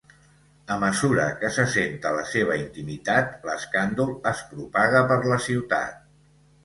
A mesura que s'assenta la seva intimitat, l'escàndol es propaga per la ciutat.